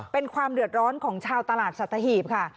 เป็นความเดือดร้อนของชาวตลาดสัตหีบค่ะ